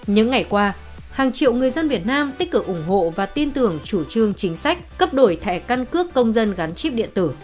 những ngày qua hàng triệu người dân việt nam tích cực ủng hộ và tin tưởng chủ trương chính sách cấp đổi thẻ căn cước công dân gắn chip điện tử